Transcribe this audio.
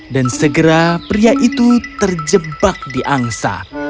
segera pria itu terjebak di angsa